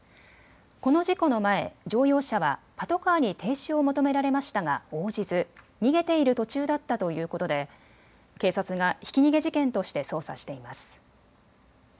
この事故の前、乗用車はパトカーに停止を求められましたが応じず逃げている途中だったということで警察がひき逃げ事件として捜査しています。